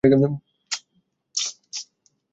বন্ধু, এখানে এসো।